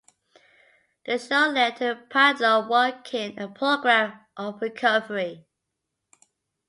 The show led to Pardlo working a program of recovery.